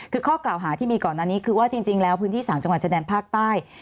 คือข้อกล่าวหาที่มีก่อนอันนี้คือว่าจริงแล้วพื้นที่๓จังหวัดชายแดนภาคใต้